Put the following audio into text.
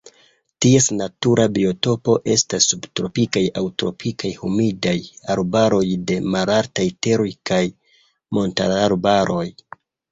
Ties natura biotopo estas subtropikaj aŭ tropikaj humidaj arbaroj de malaltaj teroj kaj montararbaroj.